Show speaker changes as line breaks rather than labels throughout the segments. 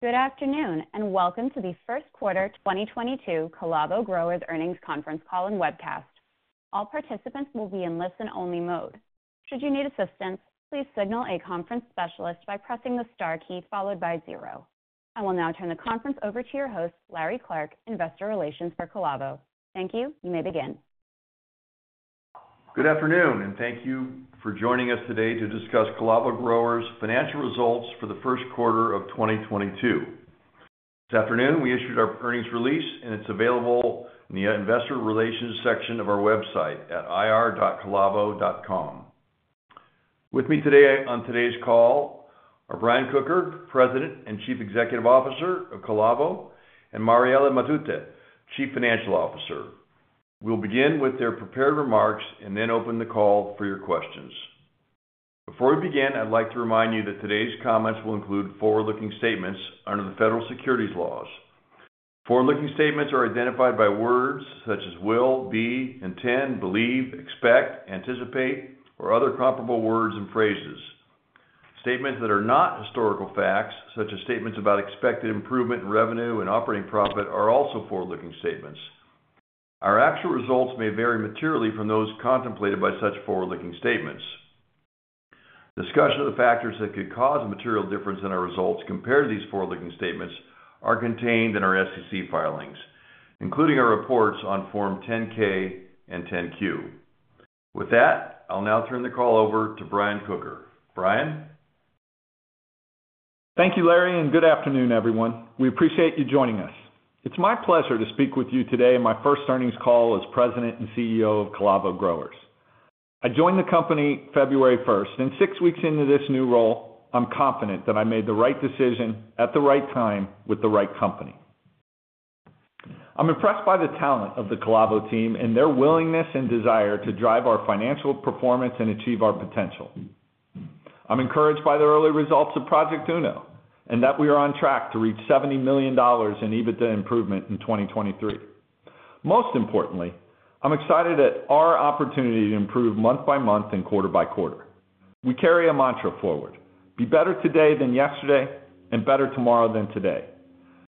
Good afternoon, and welcome to the first quarter 2022 Calavo Growers earnings conference call and webcast. All participants will be in listen-only mode. Should you need assistance, please signal a conference specialist by pressing the star key followed by zero. I will now turn the conference over to your host, Larry Clark, Investor Relations for Calavo. Thank you. You may begin.
Good afternoon, and thank you for joining us today to discuss Calavo Growers' financial results for the first quarter of 2022. This afternoon, we issued our earnings release, and it's available in the investor relations section of our website at ir.calavo.com. With me today on today's call are Brian Kocher, President and Chief Executive Officer of Calavo, and Mariela Matute, Chief Financial Officer. We'll begin with their prepared remarks and then open the call for your questions. Before we begin, I'd like to remind you that today's comments will include forward-looking statements under the federal securities laws. Forward-looking statements are identified by words such as will, be, intend, believe, expect, anticipate, or other comparable words and phrases. Statements that are not historical facts, such as statements about expected improvement in revenue and operating profit are also forward-looking statements. Our actual results may vary materially from those contemplated by such forward-looking statements. Discussion of the factors that could cause a material difference in our results compared to these forward-looking statements are contained in our SEC filings, including our reports on Form 10-K and 10-Q. With that, I'll now turn the call over to Brian Kocher. Brian?
Thank you, Larry, and good afternoon, everyone. We appreciate you joining us. It's my pleasure to speak with you today in my first earnings call as President and CEO of Calavo Growers. I joined the company February first, and six weeks into this new role, I'm confident that I made the right decision at the right time with the right company. I'm impressed by the talent of the Calavo team and their willingness and desire to drive our financial performance and achieve our potential. I'm encouraged by the early results of Project Uno, and that we are on track to reach $70 million in EBITDA improvement in 2023. Most importantly, I'm excited at our opportunity to improve month by month and quarter by quarter. We carry a mantra forward. Be better today than yesterday and better tomorrow than today.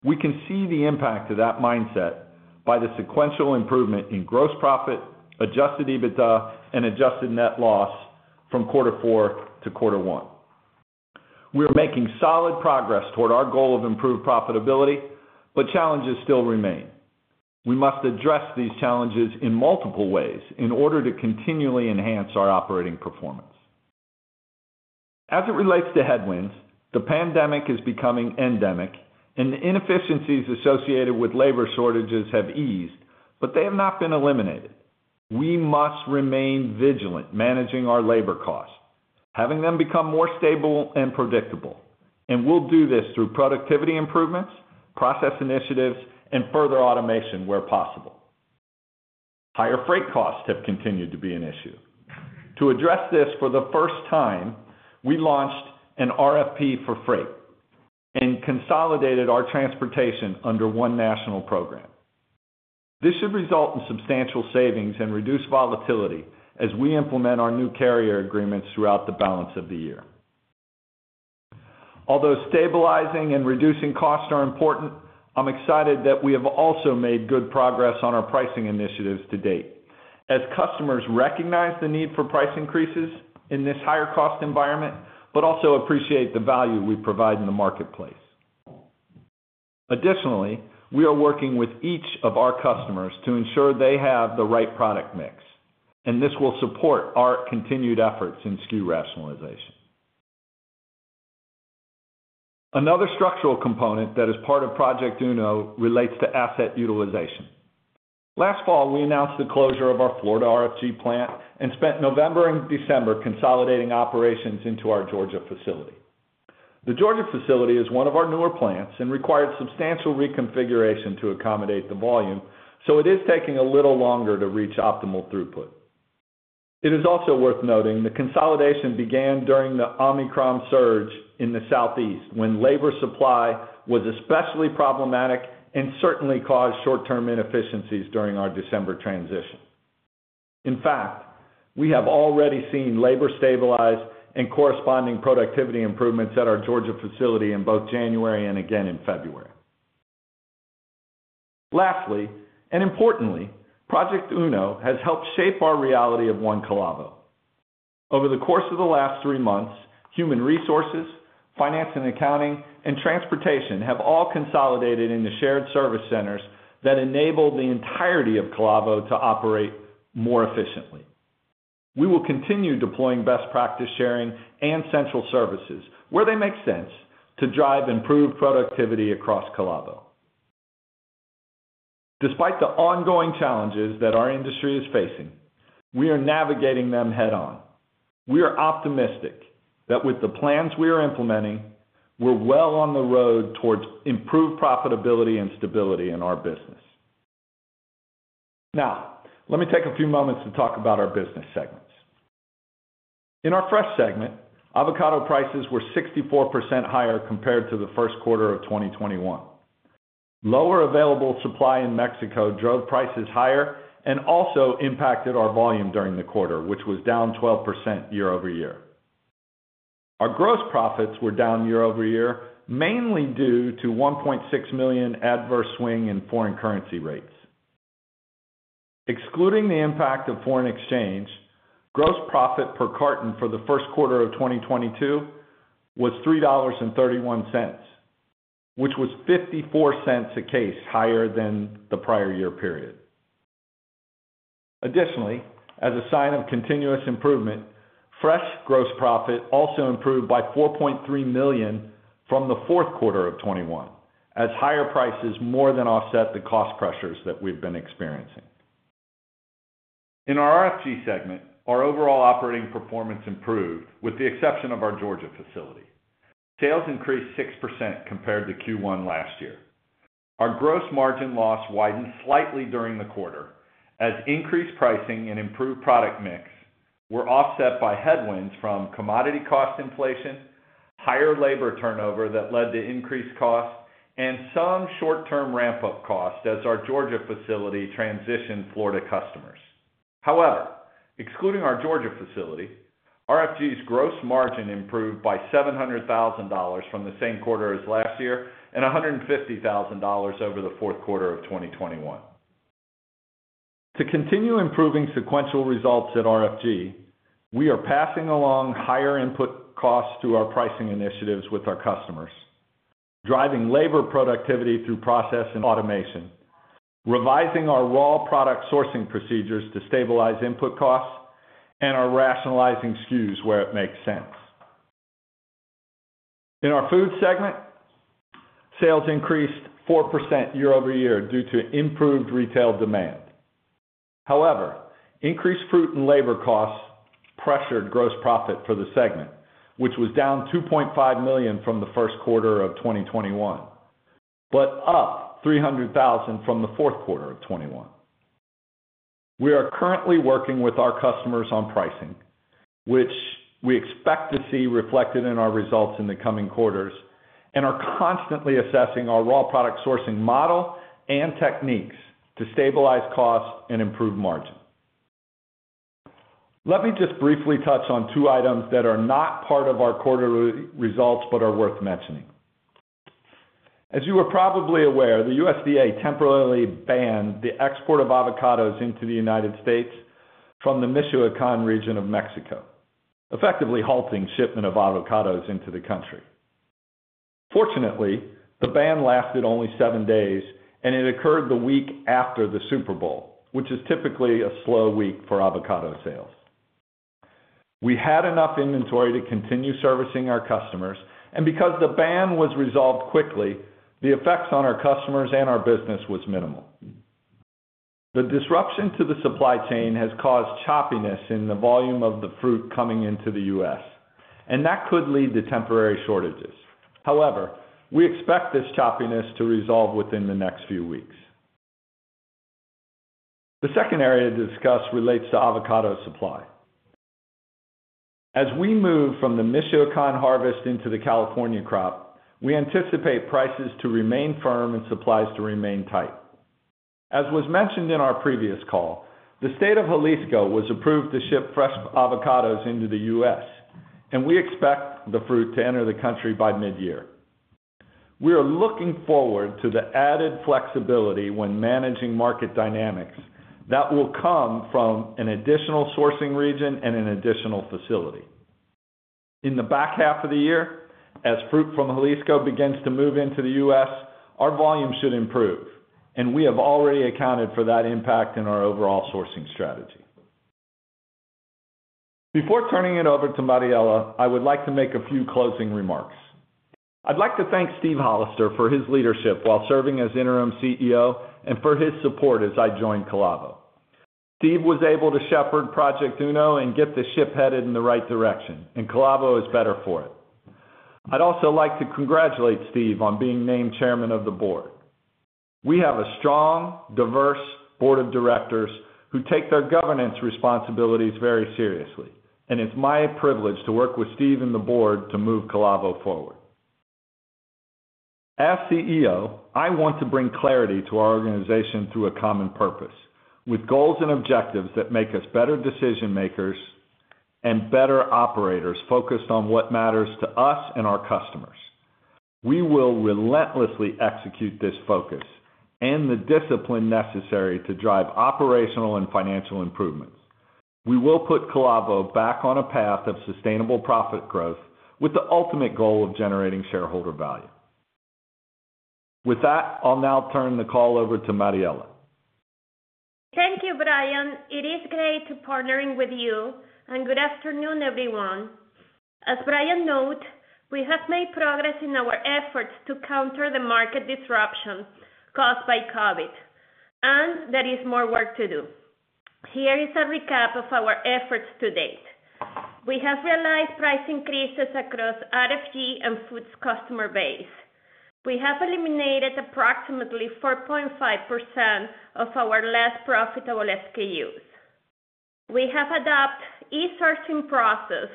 We can see the impact of that mindset by the sequential improvement in gross profit, adjusted EBITDA, and adjusted net loss from quarter four to quarter one. We're making solid progress toward our goal of improved profitability, but challenges still remain. We must address these challenges in multiple ways in order to continually enhance our operating performance. As it relates to headwinds, the pandemic is becoming endemic and the inefficiencies associated with labor shortages have eased, but they have not been eliminated. We must remain vigilant managing our labor costs, having them become more stable and predictable, and we'll do this through productivity improvements, process initiatives, and further automation where possible. Higher freight costs have continued to be an issue. To address this for the first time, we launched an RFP for freight and consolidated our transportation under one national program. This should result in substantial savings and reduced volatility as we implement our new carrier agreements throughout the balance of the year. Although stabilizing and reducing costs are important, I'm excited that we have also made good progress on our pricing initiatives to date as customers recognize the need for price increases in this higher cost environment, but also appreciate the value we provide in the marketplace. Additionally, we are working with each of our customers to ensure they have the right product mix, and this will support our continued efforts in SKU rationalization. Another structural component that is part of Project Uno relates to asset utilization. Last fall, we announced the closure of our Florida RFG plant and spent November and December consolidating operations into our Georgia facility. The Georgia facility is one of our newer plants and required substantial reconfiguration to accommodate the volume, so it is taking a little longer to reach optimal throughput. It is also worth noting the consolidation began during the Omicron surge in the Southeast when labor supply was especially problematic and certainly caused short-term inefficiencies during our December transition. In fact, we have already seen labor stabilize and corresponding productivity improvements at our Georgia facility in both January and again in February. Lastly, and importantly, Project Uno has helped shape our reality of one Calavo. Over the course of the last three months, human resources, finance and accounting, and transportation have all consolidated in the shared service centers that enable the entirety of Calavo to operate more efficiently. We will continue deploying best practice sharing and central services where they make sense to drive improved productivity across Calavo. Despite the ongoing challenges that our industry is facing, we are navigating them head on. We are optimistic that with the plans we are implementing, we're well on the road towards improved profitability and stability in our business. Now, let me take a few moments to talk about our business segments. In our Fresh segment, avocado prices were 64% higher compared to the first quarter of 2021. Lower available supply in Mexico drove prices higher and also impacted our volume during the quarter, which was down 12% year over year. Our gross profits were down year over year, mainly due to $1.6 million adverse swing in foreign currency rates. Excluding the impact of foreign exchange, gross profit per carton for the first quarter of 2022 was $3.31, which was $0.54 a case higher than the prior year period. Additionally, as a sign of continuous improvement, fresh gross profit also improved by $4.3 million from the fourth quarter of 2021 as higher prices more than offset the cost pressures that we've been experiencing. In our RFG segment, our overall operating performance improved with the exception of our Georgia facility. Sales increased 6% compared to Q1 last year. Our gross margin loss widened slightly during the quarter as increased pricing and improved product mix were offset by headwinds from commodity cost inflation, higher labor turnover that led to increased costs, and some short-term ramp up costs as our Georgia facility transitioned Florida customers. However, excluding our Georgia facility, RFG's gross margin improved by $700,000 from the same quarter as last year and $150,000 over the fourth quarter of 2021. To continue improving sequential results at RFG, we are passing along higher input costs to our pricing initiatives with our customers, driving labor productivity through process and automation, revising our raw product sourcing procedures to stabilize input costs and are rationalizing SKUs where it makes sense. In our food segment, sales increased 4% year-over-year due to improved retail demand. However, increased fruit and labor costs pressured gross profit for the segment, which was down $2.5 million from the first quarter of 2021, but up $300,000 from the fourth quarter of 2021. We are currently working with our customers on pricing, which we expect to see reflected in our results in the coming quarters and are constantly assessing our raw product sourcing model and techniques to stabilize costs and improve margin. Let me just briefly touch on two items that are not part of our quarterly results but are worth mentioning. As you are probably aware, the USDA temporarily banned the export of avocados into the United States from the Michoacán region of Mexico, effectively halting shipment of avocados into the country. Fortunately, the ban lasted only seven days, and it occurred the week after the Super Bowl, which is typically a slow week for avocado sales. We had enough inventory to continue servicing our customers, and because the ban was resolved quickly, the effects on our customers and our business was minimal. The disruption to the supply chain has caused choppiness in the volume of the fruit coming into the U.S., and that could lead to temporary shortages. However, we expect this choppiness to resolve within the next few weeks. The second area to discuss relates to avocado supply. As we move from the Michoacán harvest into the California crop, we anticipate prices to remain firm and supplies to remain tight. As was mentioned in our previous call, the state of Jalisco was approved to ship fresh avocados into the U.S., and we expect the fruit to enter the country by mid-year. We are looking forward to the added flexibility when managing market dynamics that will come from an additional sourcing region and an additional facility. In the back half of the year, as fruit from Jalisco begins to move into the U.S., our volume should improve, and we have already accounted for that impact in our overall sourcing strategy. Before turning it over to Mariela, I would like to make a few closing remarks. I'd like to thank Steve Hollister for his leadership while serving as interim CEO and for his support as I joined Calavo. Steve was able to shepherd Project Uno and get the ship headed in the right direction, and Calavo is better for it. I'd also like to congratulate Steve on being named chairman of the board. We have a strong, diverse board of directors who take their governance responsibilities very seriously, and it's my privilege to work with Steve and the board to move Calavo forward. As CEO, I want to bring clarity to our organization through a common purpose, with goals and objectives that make us better decision makers and better operators focused on what matters to us and our customers. We will relentlessly execute this focus and the discipline necessary to drive operational and financial improvements. We will put Calavo back on a path of sustainable profit growth with the ultimate goal of generating shareholder value. With that, I'll now turn the call over to Mariela.
Thank you, Brian. It is great partnering with you and good afternoon, everyone. As Brian noted, we have made progress in our efforts to counter the market disruption caused by COVID, and there is more work to do. Here is a recap of our efforts to date. We have realized price increases across RFG and foods customer base. We have eliminated approximately 4.5% of our less profitable SKUs. We have adopt e-sourcing process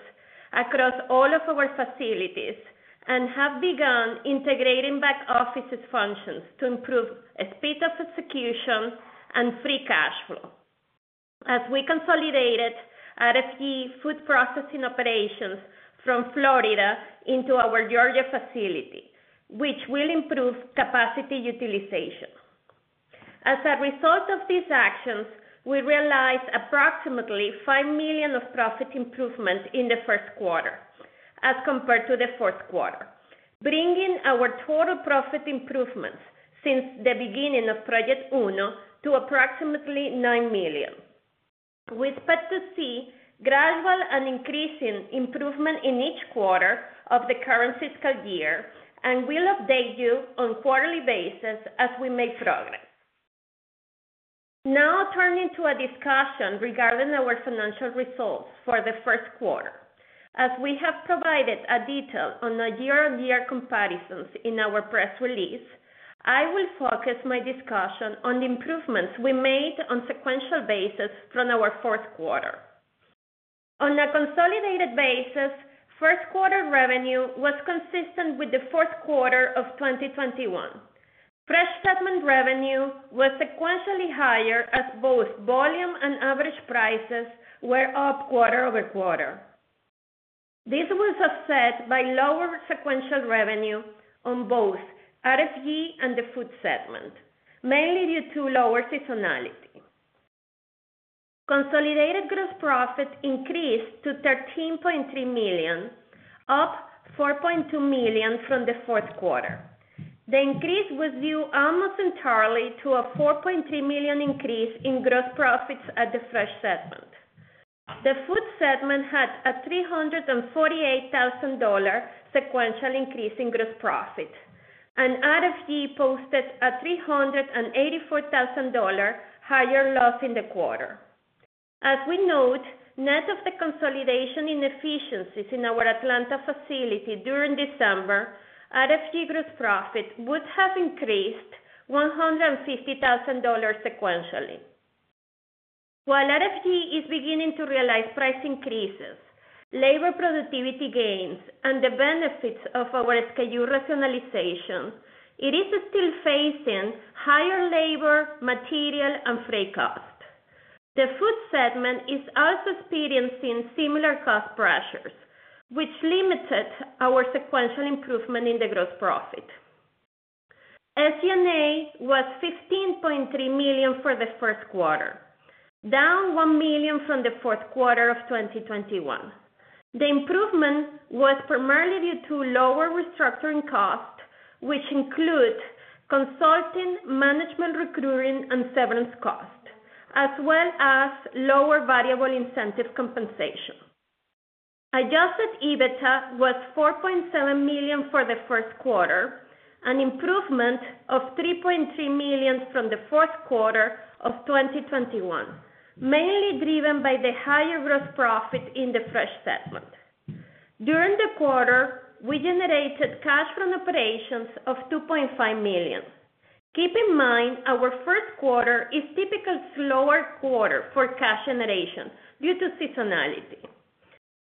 across all of our facilities and have begun integrating back-office functions to improve speed of execution and free cash flow. We have consolidated RFG food processing operations from Florida into our Georgia facility, which will improve capacity utilization. As a result of these actions, we realized approximately $5 million of profit improvement in the first quarter as compared to the fourth quarter, bringing our total profit improvements since the beginning of Project Uno to approximately $9 million. We expect to see gradual and increasing improvement in each quarter of the current fiscal year, and we'll update you on a quarterly basis as we make progress. Now turning to a discussion regarding our financial results for the first quarter. As we have provided details on the year-on-year comparisons in our press release, I will focus my discussion on the improvements we made on a sequential basis from our fourth quarter. On a consolidated basis, first quarter revenue was consistent with the fourth quarter of 2021. Fresh segment revenue was sequentially higher as both volume and average prices were up quarter-over-quarter. This was offset by lower sequential revenue on both RFG and the Food segment, mainly due to lower seasonality. Consolidated gross profit increased to $13.3 million, up $4.2 million from the fourth quarter. The increase was due almost entirely to a $4.3 million increase in gross profits at the Fresh segment. The Food segment had a $348,000 sequential increase in gross profit, and RFG posted a $384,000 higher loss in the quarter. As we note, net of the consolidation and efficiencies in our Atlanta facility during December, RFG gross profit would have increased $150,000 sequentially. While RFG is beginning to realize price increases, labor productivity gains, and the benefits of our SKU rationalization, it is still facing higher labor, material, and freight costs. The food segment is also experiencing similar cost pressures, which limited our sequential improvement in the gross profit. SG&A was $15.3 million for the first quarter, down $1 million from the fourth quarter of 2021. The improvement was primarily due to lower restructuring costs, which include consulting, management, recruiting, and severance costs, as well as lower variable incentive compensation. Adjusted EBITDA was $4.7 million for the first quarter, an improvement of $3.3 million from the fourth quarter of 2021, mainly driven by the higher gross profit in the fresh segment. During the quarter, we generated cash from operations of $2.5 million. Keep in mind, our first quarter is typically a slower quarter for cash generation due to seasonality.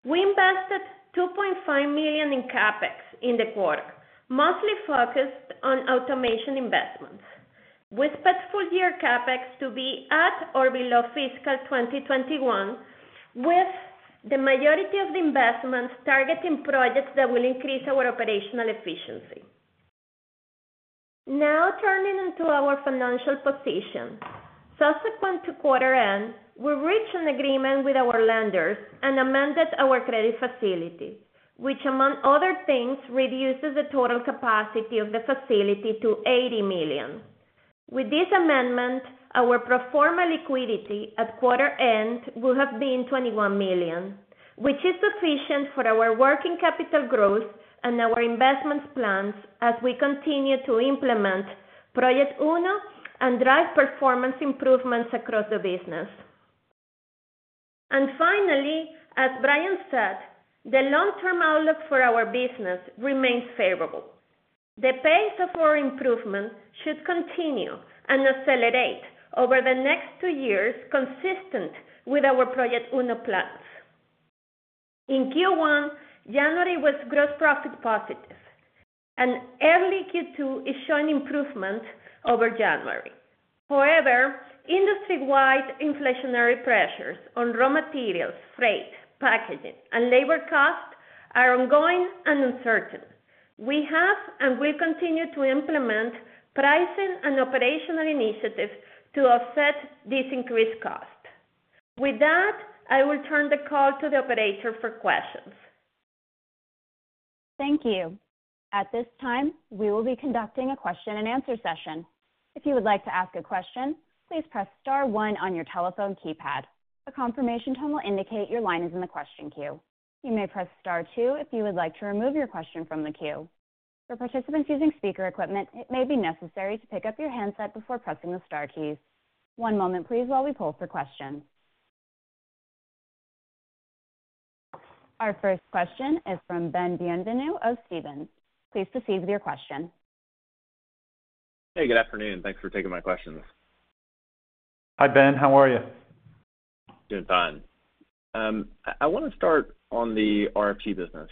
We invested $2.5 million in CapEx in the quarter, mostly focused on automation investments. We expect full year CapEx to be at or below fiscal 2021, with the majority of the investments targeting projects that will increase our operational efficiency. Now turning to our financial position. Subsequent to quarter end, we reached an agreement with our lenders and amended our credit facility, which among other things, reduces the total capacity of the facility to $80 million. With this amendment, our pro forma liquidity at quarter end would have been $21 million, which is sufficient for our working capital growth and our investment plans as we continue to implement Project Uno and drive performance improvements across the business. Finally, as Brian said, the long-term outlook for our business remains favorable. The pace of our improvement should continue and accelerate over the next two years, consistent with our Project Uno plans. In Q1, January was gross profit positive, and early Q2 is showing improvement over January. However, industry-wide inflationary pressures on raw materials, freight, packaging, and labor costs are ongoing and uncertain. We have and will continue to implement pricing and operational initiatives to offset these increased costs. With that, I will turn the call to the operator for questions.
Thank you. At this time, we will be conducting a question-and-answer session. If you would like to ask a question, please press star one on your telephone keypad. A confirmation tone will indicate your line is in the question queue. You may press star two if you would like to remove your question from the queue. For participants using speaker equipment, it may be necessary to pick up your handset before pressing the star keys. One moment please while we poll for questions. Our first question is from Ben Bienvenu of Stephens. Please proceed with your question.
Hey, good afternoon. Thanks for taking my questions.
Hi, Ben. How are you?
Doing fine. I wanna start on the RFG business.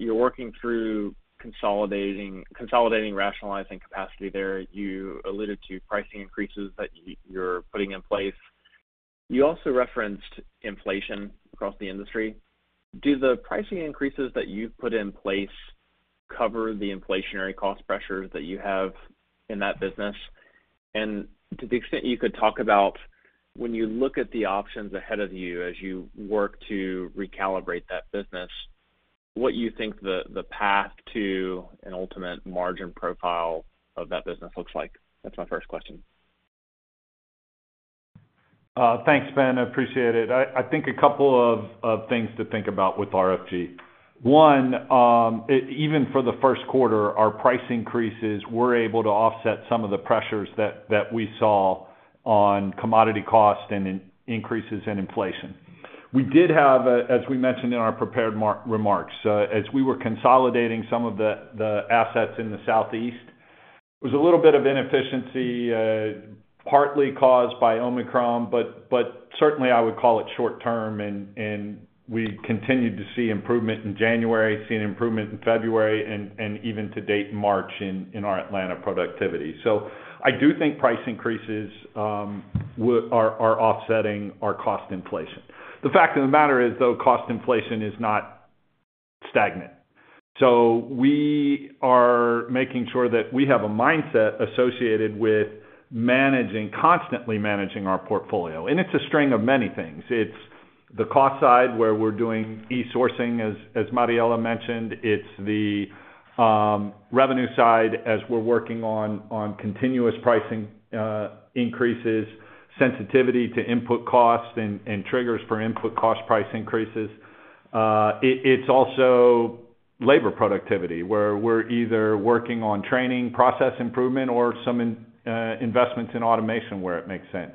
You're working through consolidating, rationalizing capacity there. You alluded to pricing increases that you're putting in place. You also referenced inflation across the industry. Do the pricing increases that you've put in place cover the inflationary cost pressures that you have in that business? To the extent you could talk about when you look at the options ahead of you as you work to recalibrate that business, what you think the path to an ultimate margin profile of that business looks like. That's my first question.
Thanks, Ben. I appreciate it. I think a couple of things to think about with RFG. One, even for the first quarter, our price increases were able to offset some of the pressures that we saw on commodity cost and increases in inflation. We did have, as we mentioned in our prepared remarks, as we were consolidating some of the assets in the Southeast, it was a little bit of inefficiency, partly caused by Omicron, but certainly I would call it short term and we continued to see improvement in January, seeing improvement in February, and even to date in March in our Atlanta productivity. So I do think price increases are offsetting our cost inflation. The fact of the matter is, though, cost inflation is not stagnant. We are making sure that we have a mindset associated with constantly managing our portfolio, and it's a string of many things. It's the cost side where we're doing e-sourcing, as Mariela mentioned. It's the revenue side as we're working on continuous pricing increases, sensitivity to input costs and triggers for input cost price increases. It's also labor productivity where we're either working on training, process improvement or some investments in automation where it makes sense.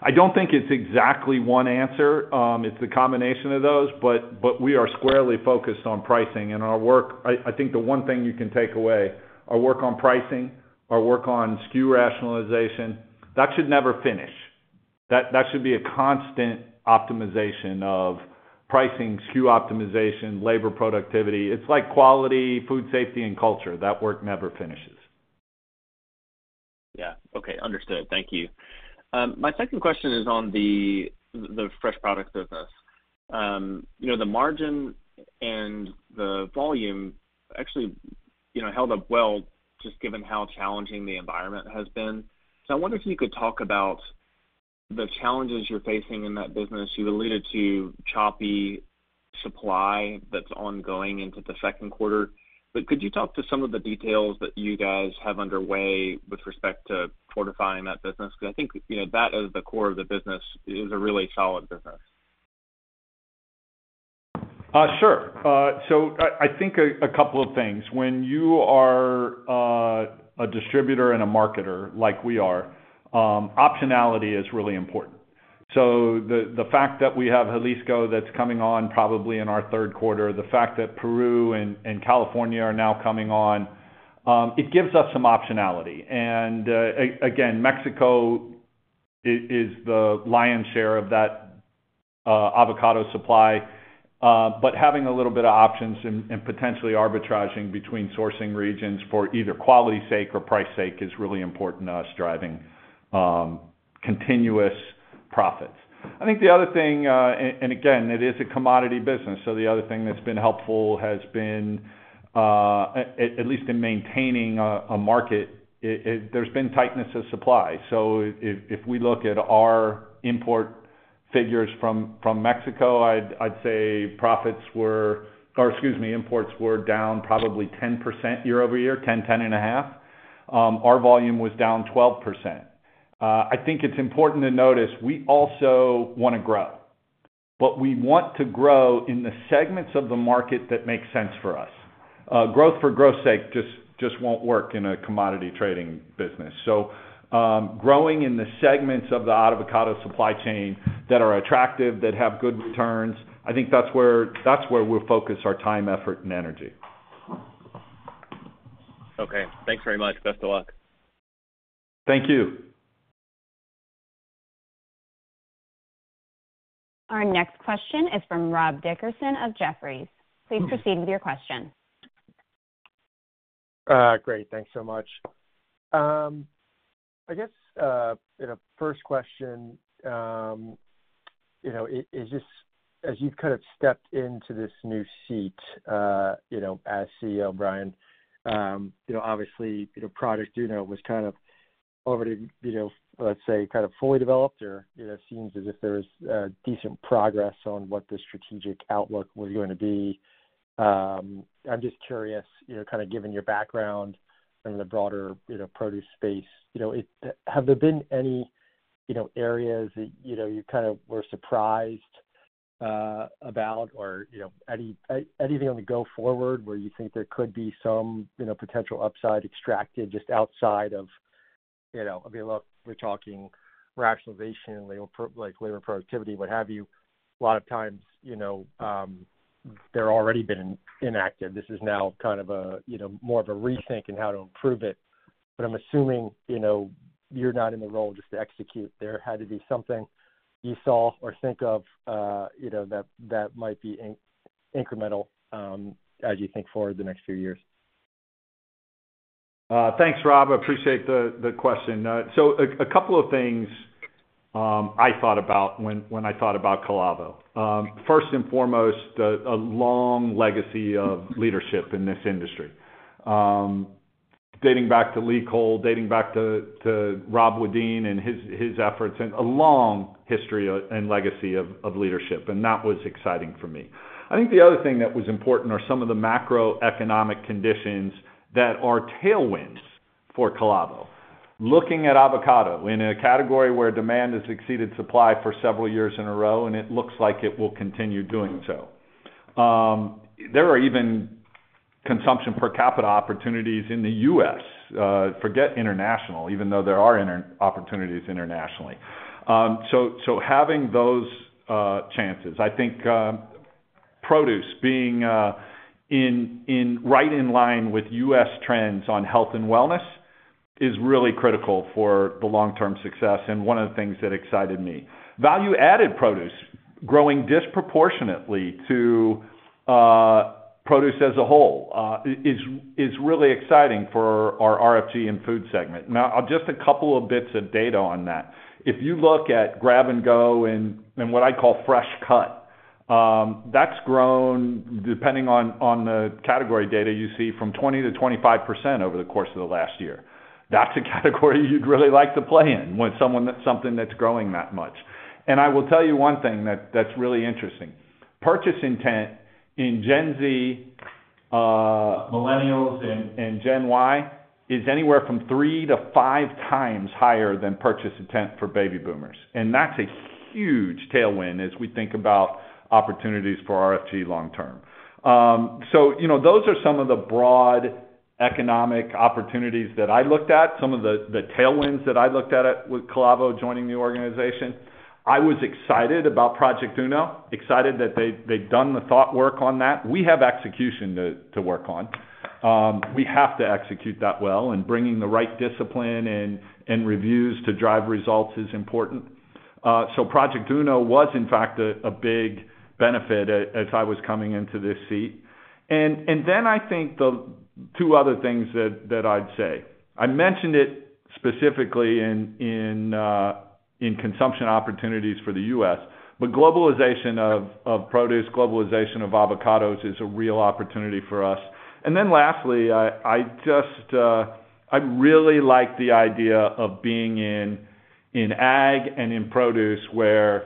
I don't think it's exactly one answer. It's the combination of those, but we are squarely focused on pricing and our work. I think the one thing you can take away, our work on pricing, our work on SKU rationalization, that should never finish. That should be a constant optimization of pricing, SKU optimization, labor productivity. It's like quality, food safety and culture. That work never finishes.
Yeah. Okay. Understood. Thank you. My second question is on the fresh product business. You know, the margin and the volume actually, you know, held up well just given how challenging the environment has been. I wonder if you could talk about the challenges you're facing in that business. You alluded to choppy supply that's ongoing into the second quarter, but could you talk to some of the details that you guys have underway with respect to fortifying that business? 'Cause I think, you know, that is the core of the business, is a really solid business.
Sure. I think a couple of things. When you are a distributor and a marketer like we are, optionality is really important. The fact that we have Jalisco that's coming on probably in our third quarter, the fact that Peru and California are now coming on, it gives us some optionality. Again, Mexico is the lion's share of that avocado supply, but having a little bit of options and potentially arbitraging between sourcing regions for either quality sake or price sake is really important to us driving continuous profits. I think the other thing, again it is a commodity business, the other thing that's been helpful has been at least in maintaining a market. There's been tightness of supply. If we look at our import figures from Mexico, I'd say imports were down probably 10% year-over-year, 10%-10.5%. Our volume was down 12%. I think it's important to notice we also wanna grow, but we want to grow in the segments of the market that make sense for us. Growth for growth's sake just won't work in a commodity trading business. Growing in the segments of the avocado supply chain that are attractive, that have good returns, I think that's where we'll focus our time, effort and energy.
Okay. Thanks very much. Best of luck.
Thank you.
Our next question is from Rob Dickerson of Jefferies. Please proceed with your question.
Great. Thanks so much. I guess, you know, first question, you know, is just as you've kind of stepped into this new seat, you know, as CEO, Brian, you know, obviously, you know, Project Uno was kind of already, you know, let's say kind of fully developed or, you know, seems as if there's decent progress on what the strategic outlook was going to be. I'm just curious, you know, kind of given your background in the broader, you know, produce space, you know, have there been any, you know, areas that, you know, you kind of were surprised about or, you know, anything on the go forward where you think there could be some, you know, potential upside extracted just outside of you know, I mean, look, we're talking rationalization, like, labor productivity, what have you. A lot of times, you know, they're already been inactive. This is now kind of a, you know, more of a rethink in how to improve it. I'm assuming, you know, you're not in the role just to execute. There had to be something you saw or think of, you know, that might be incremental, as you think forward the next few years.
Thanks, Rob. Appreciate the question. A couple of things I thought about when I thought about Calavo. First and foremost, a long legacy of leadership in this industry. Dating back to Lee Cole, dating back to Rob Wedin and his efforts and a long history and legacy of leadership. That was exciting for me. I think the other thing that was important are some of the macroeconomic conditions that are tailwinds for Calavo. Looking at avocado in a category where demand has exceeded supply for several years in a row, and it looks like it will continue doing so. There are even consumption per capita opportunities in the U.S., forget international, even though there are opportunities internationally. So having those chances, I think, produce being right in line with U.S. trends on health and wellness is really critical for the long-term success, and one of the things that excited me. Value-added produce growing disproportionately to produce as a whole is really exciting for our RFG and food segment. Now, just a couple of bits of data on that. If you look at Grab and Go and what I call fresh cut, that's grown, depending on the category data you see, from 20%-25% over the course of the last year. That's a category you'd really like to play in. That's something that's growing that much. I will tell you one thing that's really interesting. Purchase intent in Gen Z, millennials, and Gen Y is anywhere from three-five times higher than purchase intent for baby boomers. That's a huge tailwind as we think about opportunities for RFG long term. You know, those are some of the broad economic opportunities that I looked at, some of the tailwinds that I looked at with Calavo joining the organization. I was excited about Project Uno, excited that they'd done the thought work on that. We have execution to work on. We have to execute that well and bringing the right discipline and reviews to drive results is important. Project Uno was in fact a big benefit as I was coming into this seat. I think the two other things that I'd say. I mentioned it specifically in consumption opportunities for the U.S. Globalization of produce, globalization of avocados is a real opportunity for us. Then lastly, I really like the idea of being in ag and in produce where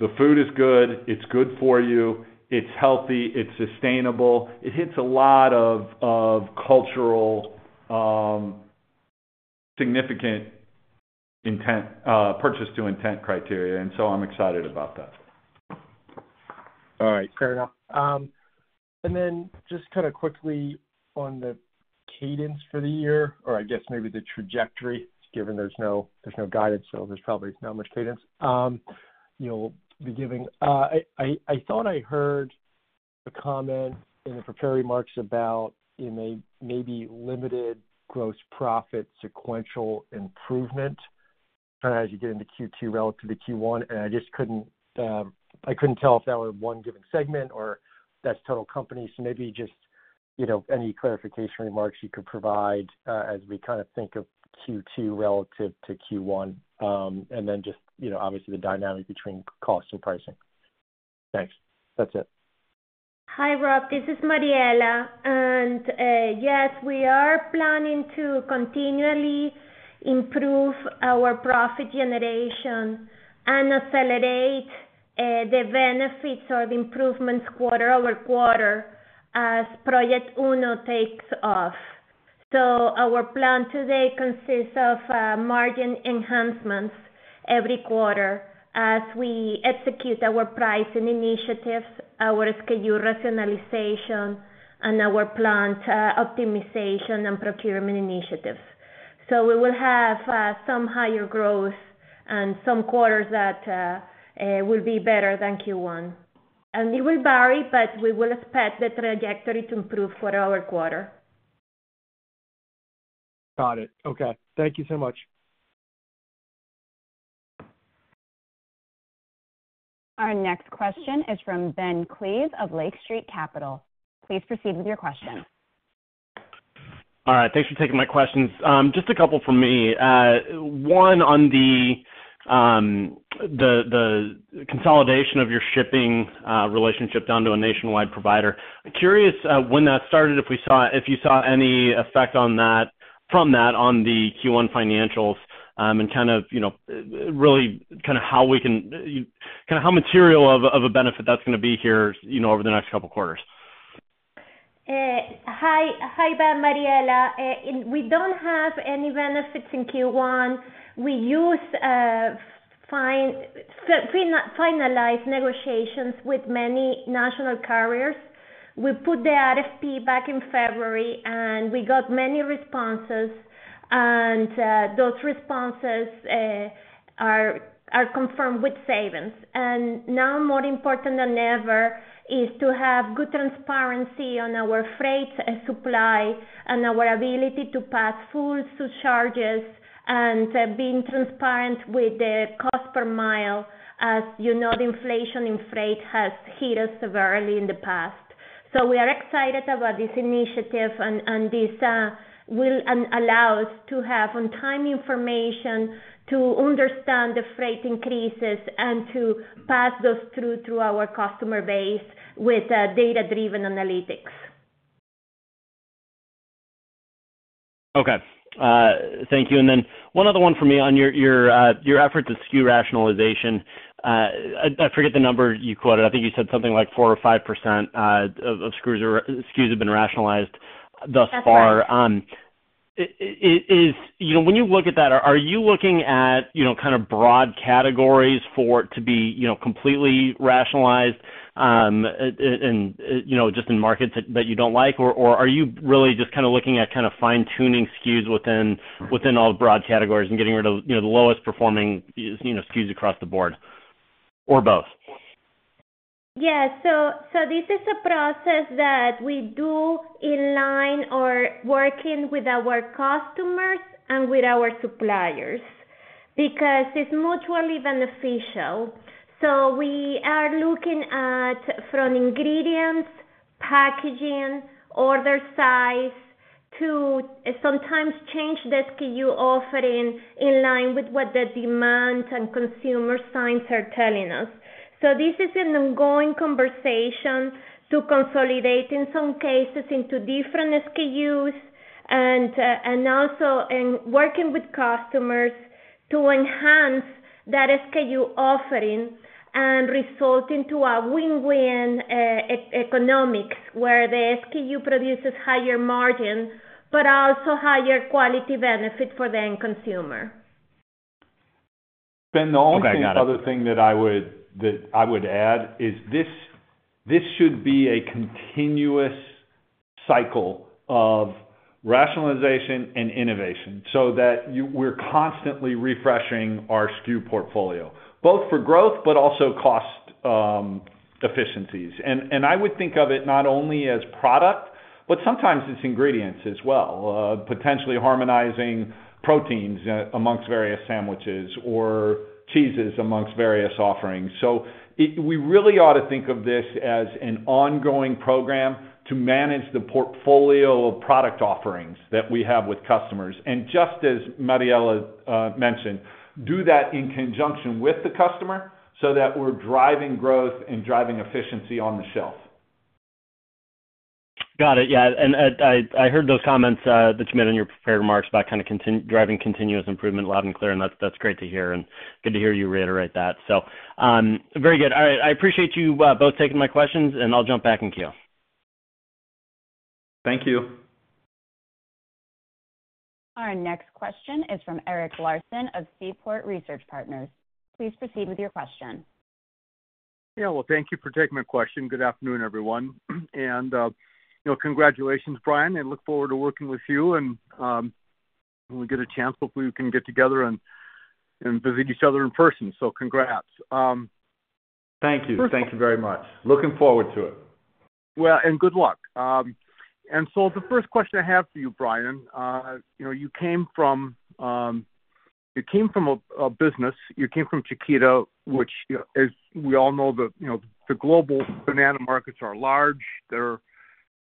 the food is good, it's good for you, it's healthy, it's sustainable. It hits a lot of cultural, significant intent purchase to intent criteria, and so I'm excited about that.
All right. Fair enough. And then just kinda quickly on the cadence for the year, or I guess maybe the trajectory, given there's no guidance, so there's probably not much cadence you'll be giving. I thought I heard a comment in the prepared remarks about, you know, maybe limited gross profit sequential improvement kinda as you get into Q2 relative to Q1, and I just couldn't tell if that was one given segment or that's total company. So maybe just, you know, any clarification remarks you could provide, as we kind of think of Q2 relative to Q1. And then just, you know, obviously the dynamic between cost and pricing. Thanks. That's it.
Hi, Rob. This is Mariela. Yes, we are planning to continually improve our profit generation and accelerate the benefits of improvements quarter over quarter as Project Uno takes off. Our plan today consists of margin enhancements every quarter as we execute our pricing initiatives, our SKU rationalization, and our plant optimization and procurement initiatives. We will have some higher growth and some quarters that will be better than Q1. It will vary, but we will expect the trajectory to improve quarter over quarter.
Got it. Okay. Thank you so much.
Our next question is from Ben Klieve of Lake Street Capital. Please proceed with your question.
All right. Thanks for taking my questions. Just a couple from me. One on the consolidation of your shipping relationship down to a nationwide provider. Curious when that started, if you saw any effect from that on the Q1 financials, and kinda how material of a benefit that's gonna be here, you know, over the next couple quarters.
Hi, Ben. Mariela. We don't have any benefits in Q1. We used to finalize negotiations with many national carriers. We put the RFP back in February, and we got many responses. Those responses are confirmed with savings. Now more important than ever is to have good transparency on our freight and supply and our ability to pass full surcharges and being transparent with the cost per mile. As you know, the inflation in freight has hit us severely in the past. We are excited about this initiative and this will allow us to have on-time information to understand the freight increases and to pass those through our customer base with data-driven analytics.
Okay. Thank you. Then one other one for me on your effort to SKU rationalization. I forget the number you quoted. I think you said something like 4% or 5% of SKUs have been rationalized thus far.
That's right.
You know, when you look at that, are you looking at you know, kind of broad categories for it to be you know, completely rationalized, and you know, just in markets that you don't like? Or are you really just kinda looking at kinda fine-tuning SKUs within all the broad categories and getting rid of, you know, the lowest performing SKUs across the board? Or both?
Yeah. This is a process that we do in line or working with our customers and with our suppliers, because it's mutually beneficial. We are looking at from ingredients, packaging, order size, to sometimes change the SKU offering in line with what the demand and consumer insights are telling us. This is an ongoing conversation to consolidate in some cases into different SKUs and working with customers to enhance that SKU offering and result in a win-win economics, where the SKU produces higher margin, but also higher quality benefit for the end consumer.
Ben, I think the other thing that I would add is this should be a continuous cycle of rationalization and innovation so that we're constantly refreshing our SKU portfolio, both for growth but also cost efficiencies. I would think of it not only as product, but sometimes it's ingredients as well, potentially harmonizing proteins among various sandwiches or cheeses among various offerings. We really ought to think of this as an ongoing program to manage the portfolio of product offerings that we have with customers. Just as Mariela mentioned, do that in conjunction with the customer so that we're driving growth and driving efficiency on the shelf.
Got it. Yeah. I heard those comments that you made in your prepared remarks about driving continuous improvement loud and clear, and that's great to hear and good to hear you reiterate that. Very good. All right. I appreciate you both taking my questions, and I'll jump back in queue.
Thank you.
Our next question is from Eric Larson of Seaport Research Partners. Please proceed with your question.
Yeah. Well, thank you for taking my question. Good afternoon, everyone. You know, congratulations, Brian, and look forward to working with you and when we get a chance, hopefully we can get together and visit each other in person. Congrats.
Thank you.
First-
Thank you very much. Looking forward to it.
Well, good luck. The first question I have for you, Brian, you know, you came from a business, you came from Chiquita, which, you know, as we all know, the, you know, the global banana markets are large. They're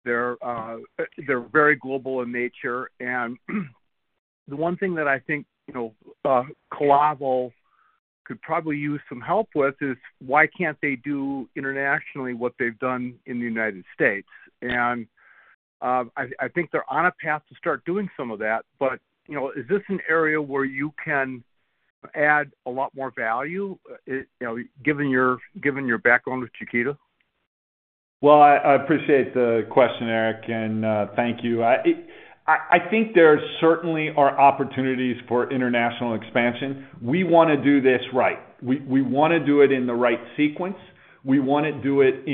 very global in nature. The one thing that I think, you know, Calavo could probably use some help with is, why can't they do internationally what they've done in the United States? I think they're on a path to start doing some of that. You know, is this an area where you can add a lot more value, you know, given your background with Chiquita?
Well, I appreciate the question, Eric, and thank you. I think there certainly are opportunities for international expansion. We wanna do this right. We wanna do it in the right sequence. We wanna do it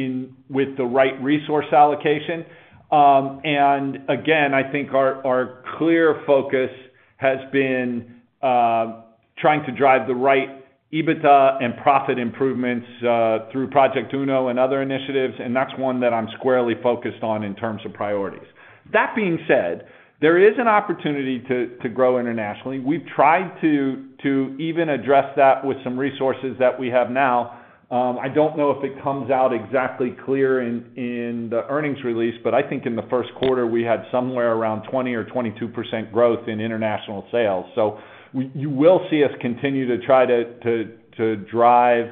with the right resource allocation. Again, I think our clear focus has been trying to drive the right EBITDA and profit improvements through Project Uno and other initiatives, and that's one that I'm squarely focused on in terms of priorities. That being said, there is an opportunity to grow internationally. We've tried to even address that with some resources that we have now. I don't know if it comes out exactly clear in the earnings release, but I think in the first quarter we had somewhere around 20% or 22% growth in international sales. You will see us continue to try to drive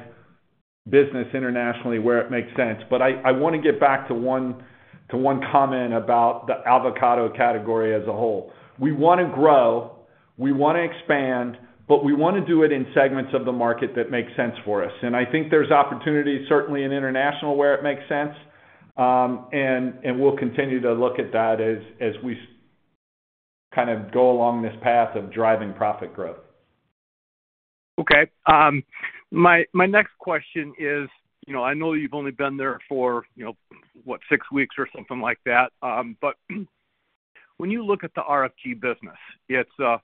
business internationally where it makes sense. I wanna get back to one comment about the avocado category as a whole. We wanna grow, we wanna expand, but we wanna do it in segments of the market that make sense for us. I think there's opportunity certainly in international where it makes sense. We'll continue to look at that as we kind of go along this path of driving profit growth.
Okay. My next question is, you know, I know you've only been there for, you know, what, six weeks or something like that, but when you look at the RFG business,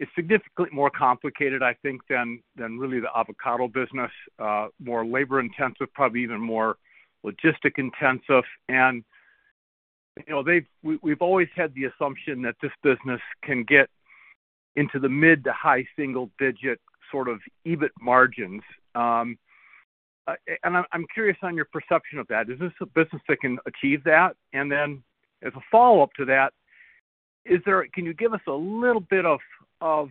it's significantly more complicated, I think, than really the avocado business, more labor-intensive, probably even more logistic-intensive. We've always had the assumption that this business can get into the mid to high-single-digit sort of EBIT margins. I'm curious on your perception of that. Is this a business that can achieve that? As a follow-up to that, can you give us a little bit of a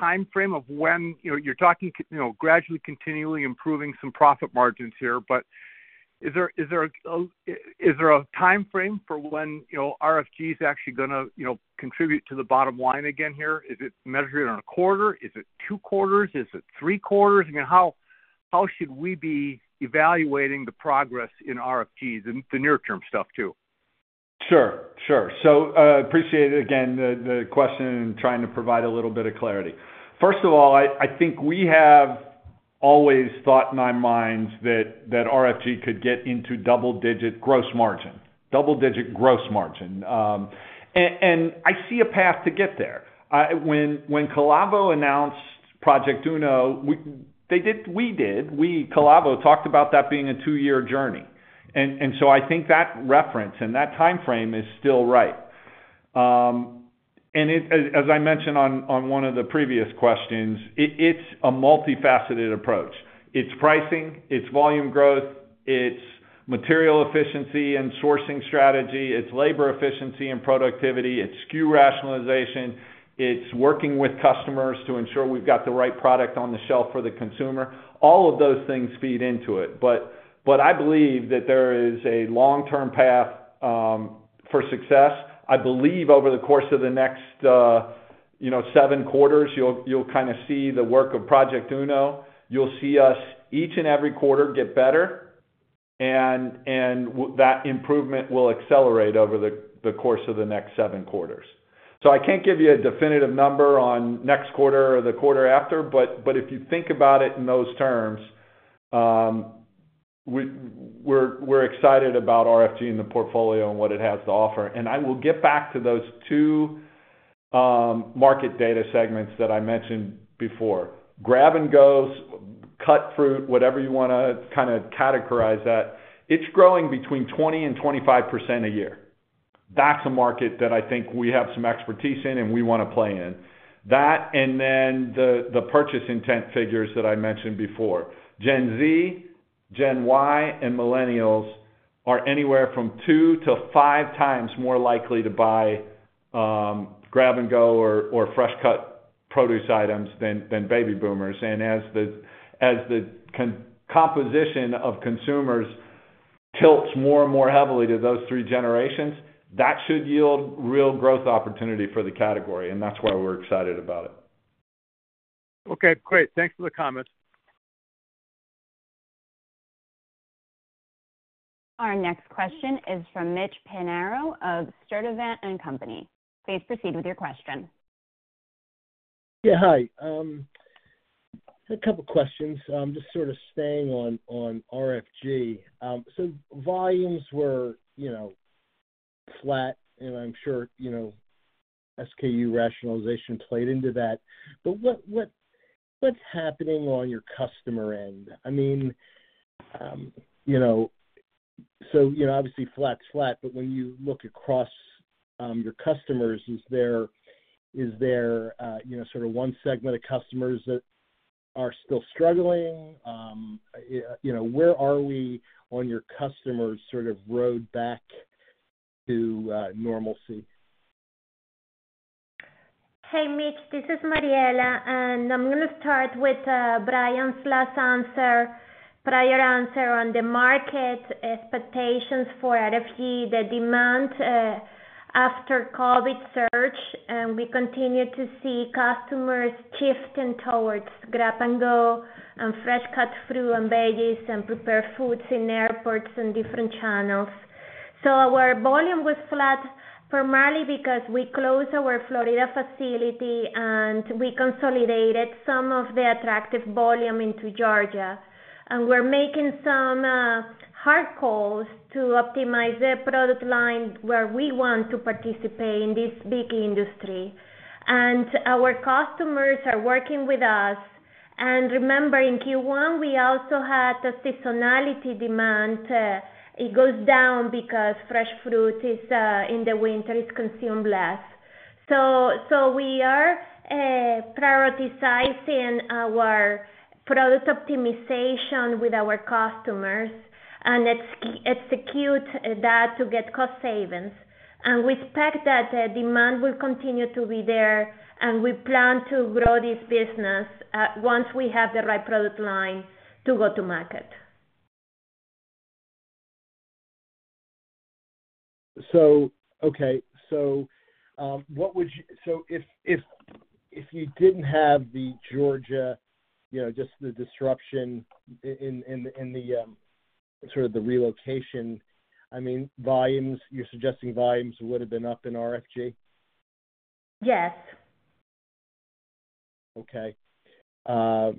timeframe of when, you know, you're talking, you know, gradually continually improving some profit margins here, but is there a timeframe for when, you know, RFG is actually gonna, you know, contribute to the bottom line again here? Is it measured in a quarter? Is it two quarters? Is it three quarters? You know, how should we be evaluating the progress in RFG, the near-term stuff too?
Sure. Appreciate it again, the question and trying to provide a little bit of clarity. First of all, I think we have always thought in our minds that RFG could get into double-digit gross margin. I see a path to get there. When Calavo announced Project Uno, Calavo talked about that being a two-year journey. I think that reference and that timeframe is still right. As I mentioned on one of the previous questions, it's a multifaceted approach. It's pricing, it's volume growth, it's material efficiency and sourcing strategy, it's labor efficiency and productivity, it's SKU rationalization, it's working with customers to ensure we've got the right product on the shelf for the consumer. All of those things feed into it. I believe that there is a long-term path for success. I believe over the course of the next, you know, seven quarters, you'll kinda see the work of Project Uno. You'll see us each and every quarter get better, and that improvement will accelerate over the course of the next seven quarters. I can't give you a definitive number on next quarter or the quarter after, but if you think about it in those terms, we're excited about RFG in the portfolio and what it has to offer. I will get back to those two market data segments that I mentioned before. Grab & Go's cut fruit, whatever you wanna kinda categorize that, it's growing between 20%-25% a year. That's a market that I think we have some expertise in and we wanna play in. That, and then the purchase intent figures that I mentioned before. Gen Z, Gen Y, and millennials are anywhere from two-five times more likely to buy Grab & Go or fresh cut produce items than baby boomers. As the composition of consumers tilts more and more heavily to those three generations, that should yield real growth opportunity for the category, and that's why we're excited about it.
Okay, great. Thanks for the comment.
Our next question is from Mitch Pinheiro of Sturdivant & Company. Please proceed with your question.
Yeah, hi. A couple of questions, just sort of staying on RFG. So volumes were, you know, flat, and I'm sure, you know, SKU rationalization played into that. But what's happening on your customer end? I mean, you know, so, you know, obviously flat's flat, but when you look across your customers, is there, you know, sort of one segment of customers that are still struggling? You know, where are we on your customers' sort of road back to normalcy?
Hey, Mitch. This is Mariela. I'm gonna start with Brian's last answer, prior answer on the market expectations for RFG. The demand after COVID surge, we continue to see customers shifting towards Grab & Go and fresh cut fruit and veggies and prepared foods in airports and different channels. Our volume was flat primarily because we closed our Florida facility and we consolidated some of the attractive volume into Georgia. We're making some hard calls to optimize the product line where we want to participate in this big industry. Our customers are working with us. Remember, in Q1, we also had a seasonality demand. It goes down because fresh fruit is in the winter, it's consumed less. We are prioritizing our product optimization with our customers and execute that to get cost savings. We expect that the demand will continue to be there, and we plan to grow this business, once we have the right product line to go to market.
Okay. If you didn't have the Georgia, you know, just the disruption in the sort of the relocation, I mean, volumes. You're suggesting volumes would have been up in RFG?
Yes.
Okay. What's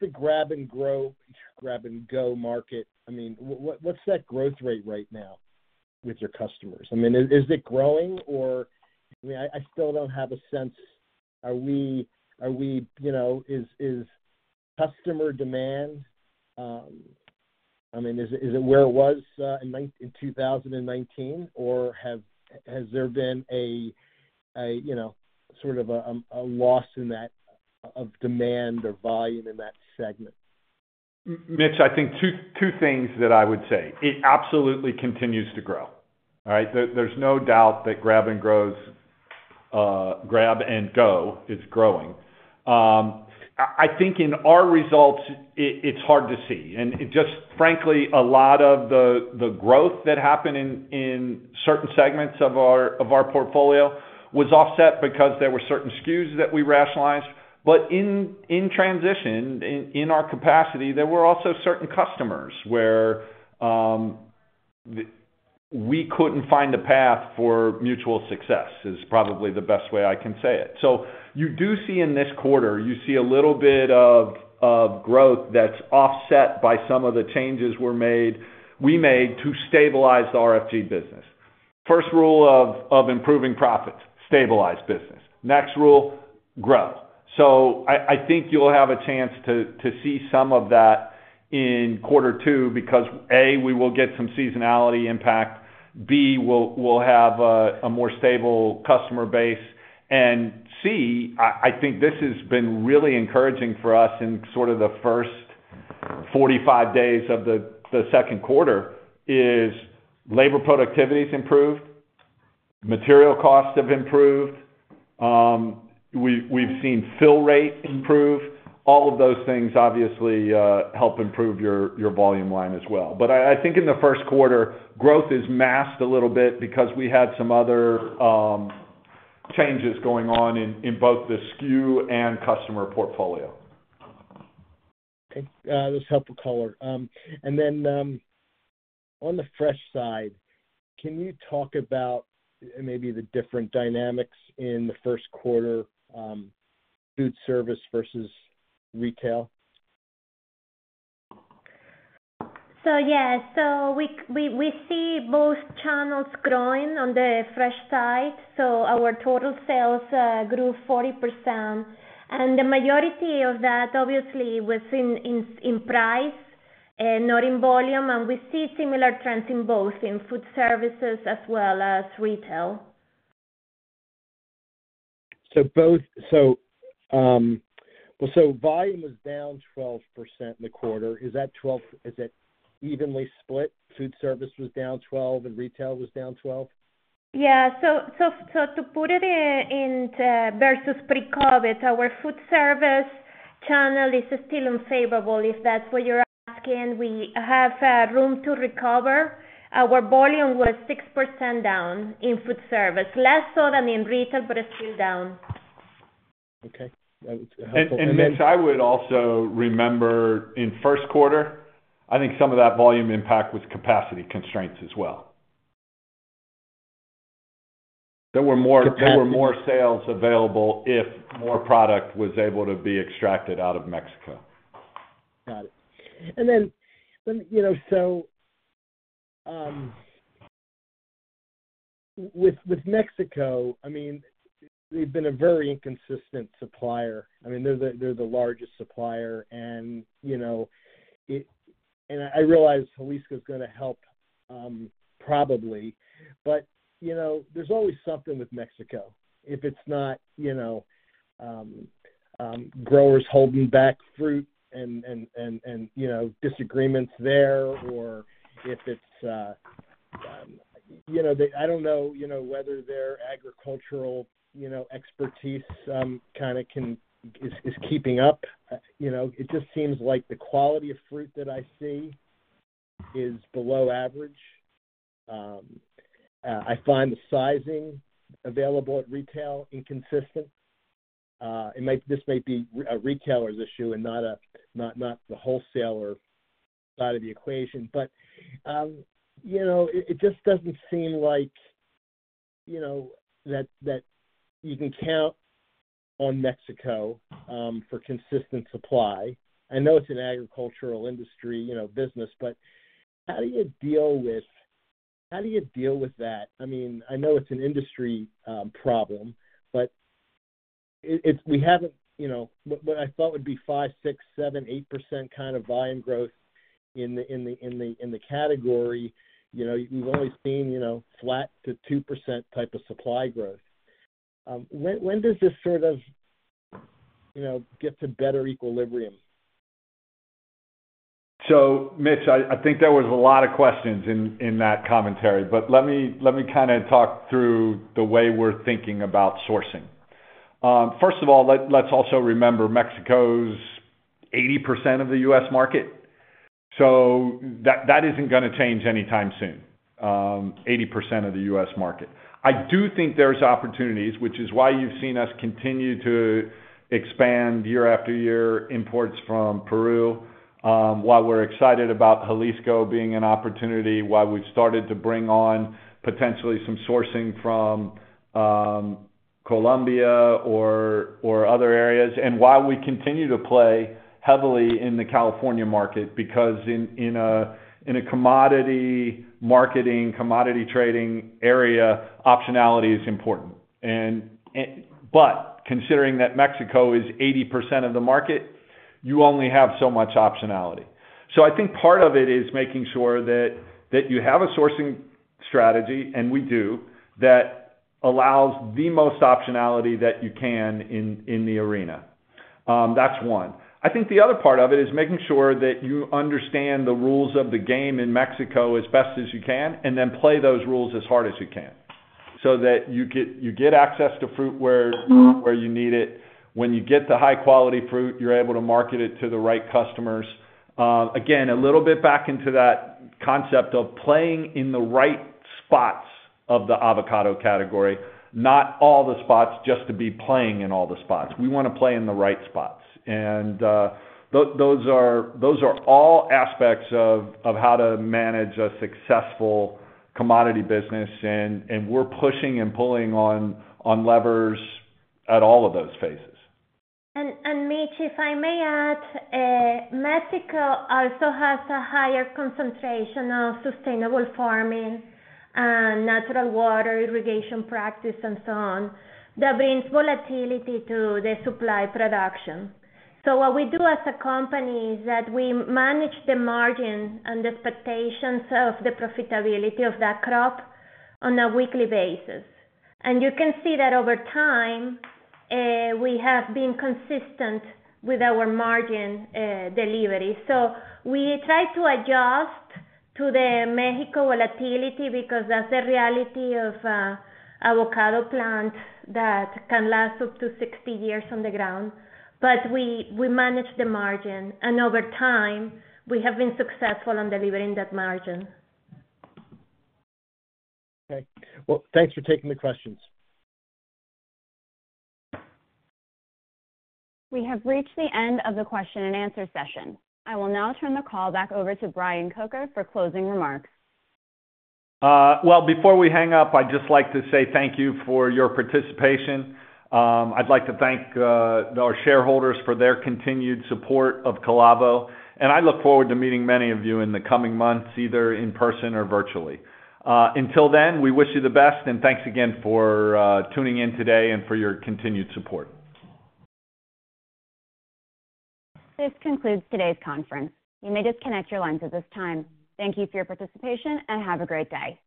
the Grab & Go market? I mean, what's that growth rate right now with your customers? I mean, is it growing or I mean, I still don't have a sense. Are we, you know, is customer demand I mean, is it where it was in 2019 or has there been a loss of demand or volume in that segment?
Mitch, I think two things that I would say. It absolutely continues to grow. All right? There's no doubt that Grab & Go is growing. I think in our results, it's hard to see. It just, frankly, a lot of the growth that happened in certain segments of our portfolio was offset because there were certain SKUs that we rationalized. In transition, in our capacity, there were also certain customers where we couldn't find a path for mutual success, is probably the best way I can say it. You do see in this quarter, you see a little bit of growth that's offset by some of the changes we made to stabilize the RFG business. First rule of improving profits, stabilize business. Next rule, growth. I think you'll have a chance to see some of that in quarter two, because A, we will get some seasonality impact, B, we'll have a more stable customer base, and C, I think this has been really encouraging for us in sort of the first 45 days of the second quarter. Labor productivity's improved, material costs have improved, we've seen fill rate improve. All of those things obviously help improve your volume line as well. I think in the first quarter, growth is masked a little bit because we had some other changes going on in both the SKU and customer portfolio.
Okay. That's helpful color. On the fresh side, can you talk about maybe the different dynamics in the first quarter, food service versus retail?
Yeah. We see both channels growing on the fresh side. Our total sales grew 40%. The majority of that, obviously, was in price, not in volume. We see similar trends in both food services as well as retail.
Volume is down 12% in the quarter. Is it evenly split? Food service was down 12% and retail was down 12%?
Yeah. To put it into versus pre-COVID, our food service channel is still unfavorable, if that's what you're asking. We have room to recover. Our volume was 6% down in food service, less so than in retail, but it's still down.
Okay. That was helpful.
Mitch, I would also remember in first quarter, I think some of that volume impact was capacity constraints as well. There were more sales available if more product was able to be extracted out of Mexico.
Got it. With Mexico, I mean, they've been a very inconsistent supplier. I mean, they're the largest supplier and I realize Jalisco is gonna help, probably. You know, there's always something with Mexico. If it's not you know, growers holding back fruit and you know, disagreements there or if it's you know, I don't know you know, whether their agricultural you know, expertise is keeping up. You know, it just seems like the quality of fruit that I see is below average. I find the sizing available at retail inconsistent. This might be a retailer's issue and not the wholesaler side of the equation. You know, it just doesn't seem like you know that you can count on Mexico for consistent supply. I know it's an agricultural industry you know business, but how do you deal with that? I mean, I know it's an industry problem, but we haven't you know. What I thought would be 5%, 6%, 7%, 8% kind of volume growth in the category, you know, you've only seen you know flat to 2% type of supply growth. When does this sort of you know get to better equilibrium?
Mitch, I think there was a lot of questions in that commentary, but let me kinda talk through the way we're thinking about sourcing. First of all, let's also remember Mexico's 80% of the U.S. market. That isn't gonna change anytime soon, 80% of the U.S. market. I do think there's opportunities, which is why you've seen us continue to expand year after year imports from Peru, while we're excited about Jalisco being an opportunity, why we've started to bring on potentially some sourcing from Colombia or other areas. While we continue to play heavily in the California market because in a commodity marketing, commodity trading area, optionality is important. But considering that Mexico is 80% of the market, you only have so much optionality. I think part of it is making sure that you have a sourcing strategy, and we do, that allows the most optionality that you can in the arena. That's one. I think the other part of it is making sure that you understand the rules of the game in Mexico as best as you can, and then play those rules as hard as you can, so that you get access to fruit where you need it. When you get the high quality fruit, you're able to market it to the right customers. Again, a little bit back into that concept of playing in the right spots of the avocado category. Not all the spots, just to be playing in all the spots. We wanna play in the right spots. Those are all aspects of how to manage a successful commodity business and we're pushing and pulling on levers at all of those phases.
Mitch, if I may add, Mexico also has a higher concentration of sustainable farming and natural water irrigation practice and so on. That brings volatility to the supply production. What we do as a company is that we manage the margins and expectations of the profitability of that crop on a weekly basis. You can see that over time, we have been consistent with our margin delivery. We try to adjust to the Mexico volatility because that's the reality of avocado plant that can last up to 60 years on the ground. We manage the margin, and over time, we have been successful on delivering that margin.
Okay. Well, thanks for taking the questions.
We have reached the end of the question and answer session. I will now turn the call back over to Brian Kocher for closing remarks.
Well, before we hang up, I'd just like to say thank you for your participation. I'd like to thank our shareholders for their continued support of Calavo, and I look forward to meeting many of you in the coming months, either in person or virtually. Until then, we wish you the best, and thanks again for tuning in today and for your continued support.
This concludes today's conference. You may disconnect your lines at this time. Thank you for your participation, and have a great day.